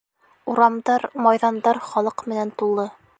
Урамдар, майҙандар халыҡ менән тулы.